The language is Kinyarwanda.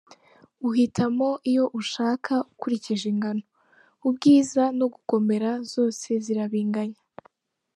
Uhitamo iyo ushaka ukurikije ingano, ubwiza no gukomera zose zirabinganya.